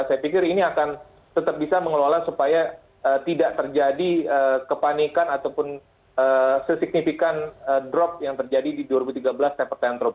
saya pikir ini akan tetap bisa mengelola supaya tidak terjadi kepanikan ataupun sesignifikan drop yang terjadi di dua ribu tiga belas temper tantrum